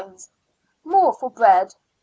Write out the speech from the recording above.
more for bread, id.